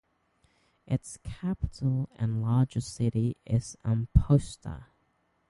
Its capital and largest city is Amposta.